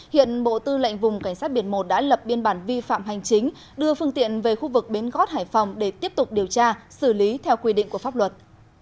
hiện bộ tư lệnh vùng cảnh sát biển một đã lập biên bản vi phạm hành chính đưa phương tiện về khu vực bến gót hải phòng để tiếp tục điều tra xử lý theo quy định của pháp luật